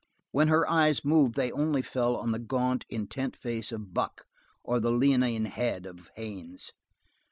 When her eyes moved they only fell on the gaunt, intent face of Buck or the leonine head of Haines.